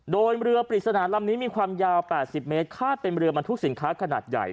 โดยเรือปริศนาลำนี้มีความยาว๘๐เมตรคาดเป็นเรือบรรทุกสินค้าขนาดใหญ่